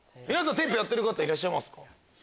テープやってる方いらっしゃいますか？